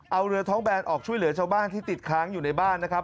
เอาเรือท้องแบนออกช่วยเหลือชาวบ้านที่ติดค้างอยู่ในบ้านนะครับ